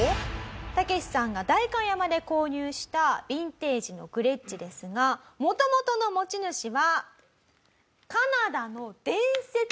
タケシさんが代官山で購入したヴィンテージのグレッチですが元々の持ち主は。